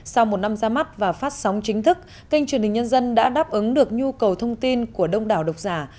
sau một năm ra mắt và phát sóng chính thức kênh truyền hình nhân dân đã đáp ứng được nhu cầu thông tin của đông đảo độc giả